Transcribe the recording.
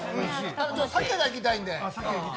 鮭に行きたいので。